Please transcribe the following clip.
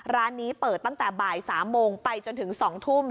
ร้านนี้เปิดตั้งแต่บ่าย๓โมงไปจนถึง๒ทุ่ม